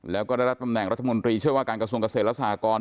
แล้วก็ได้รับตำแหน่งรัฐมนตรีช่วยว่าการกระทรวงเกษตรและสหกร